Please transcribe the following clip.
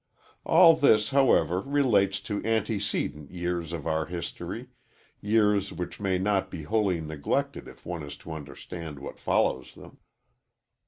All this, however, relates to antecedent years of our history years which may not be wholly neglected if one is to understand what follows them.